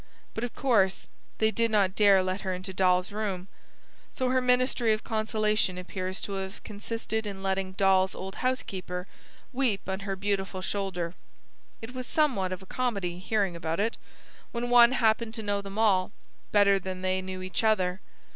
But of course they did not dare let her into Dal's room; so her ministry of consolation appears to have consisted in letting Dal's old housekeeper weep on her beautiful shoulder. It was somewhat of a comedy, hearing about it, when one happened to know them all, better than they knew each other.